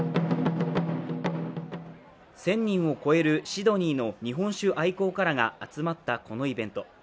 １０００人を超えるシドニーの日本酒愛好家らが集まったこのイベント。